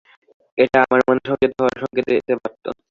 এটা আমার মনে সংযত হওয়ার সংকেত দিতে পারত।